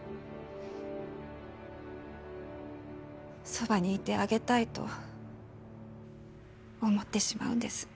そばにいてあげたいと思ってしまうんです。